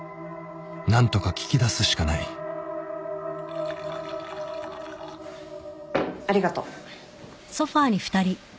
何とか聞き出すしかないありがとう。